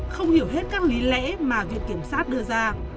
không hiểu hết các lý lẽ mà viện kiểm sát đưa ra